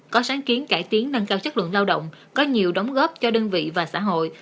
có sáng kiến cải tiến nâng cao chất lượng lao động có nhiều đóng góp cho đơn vị và xã hội